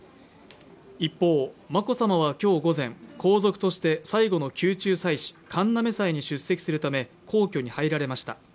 一方、眞子さまは今日午前、皇族として最後の宮中祭祀、神嘗祭に出席するため皇居に入られました。